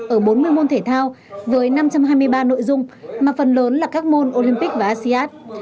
ở bốn mươi môn thể thao với năm trăm hai mươi ba nội dung mà phần lớn là các môn olympic và asean